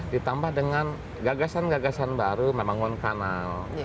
ditambah dengan gagasan gagasan baru membangun kanal